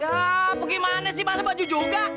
ya bagaimana sih balas baju juga